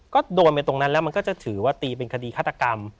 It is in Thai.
ก็โดนไปตรงนั้นแล้วมันก็จะถือว่าตีเป็นคดีฆาตกรรม